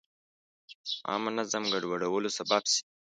عامه نظم ګډوډولو سبب شي.